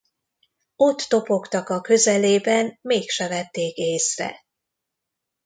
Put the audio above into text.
Ott topogtak a közelében, mégse vették észre.